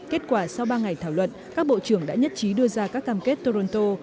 kết quả sau ba ngày thảo luận các bộ trưởng đã nhất trí đưa ra các cam kết toronto